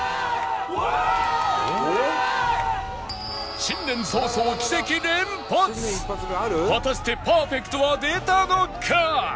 新年早々果たしてパーフェクトは出たのか？